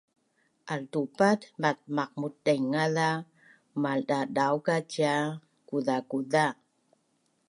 Altupat maqmut daingaz a maldadauk a cia kuzakuza